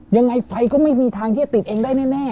ยังไงไฟก็ไม่มีทางที่จะติดเองได้แน่